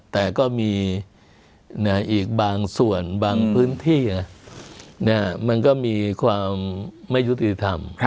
แต่ก็มีอีกบางส่วนบางพื้นที่มันก็มีความไม่ยุติธรรม